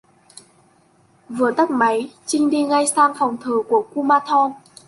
Vừa tắt máy trinh đi ngay sang phòng thờ của kumanthong